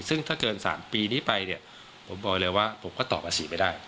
ซึ่งถ้าเกิน๓ปีนี้ไปเนี่ยผมบอกเลยว่าผมก็ตอบภาษีไม่ได้